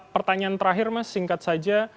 pertanyaan terakhir mas singkat saja